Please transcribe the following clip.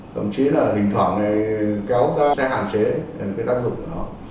thậm chí là thỉnh thoảng kéo ra xe hạ chế là cái tác dụng của nó